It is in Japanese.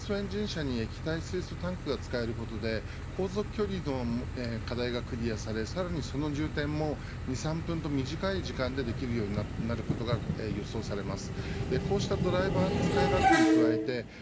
今回水素エンジン車に液体水素タンクが使えることで航続距離の課題がクリアされさらにその充電も２から３分短い時間でできるようになったことが予想されます。